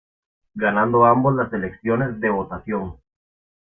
Ganando ambos las elecciones de votación.